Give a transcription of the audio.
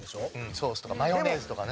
ソースとかマヨネーズとかね。